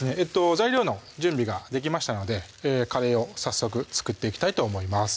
材料の準備ができましたのでカレーを早速作っていきたいと思います